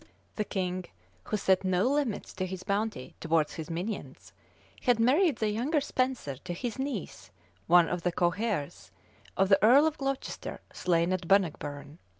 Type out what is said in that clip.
{1321.} The king, who set no limits to his bounty toward his minions, had married the younger Spenser to his niece one of the coheirs of the earl of Glocester, slain at Bannockburn.